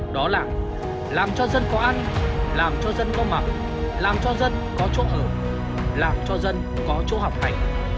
đó là làm cho dân có ăn làm cho dân có mặt làm cho dân có chỗ ở làm cho dân có chỗ học hành